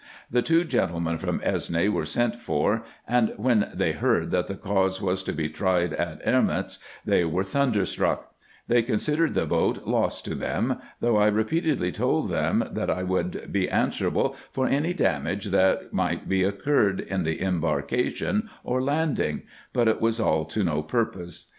The two gentlemen from Esne were sent for, and 128 RESEARCHES AND OPERATIONS when they heard, that the cause was to be tried at Erments, they were thunderstruck They considered the boat lost to them, though I re peatedly told them, that I would be answerable for any damage that might be incurred in the embarkation or landing ; but it was all to no purpose.